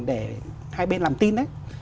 để hai bên làm tin